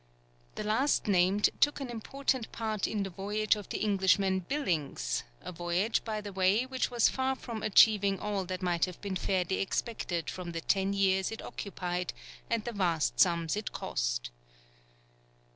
The last named took an important part in the voyage of the Englishman Billings, a voyage by the way which was far from achieving all that might have been fairly expected from the ten years it occupied and the vast sums it cost.